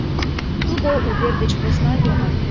Тудо увер деч посна йомын.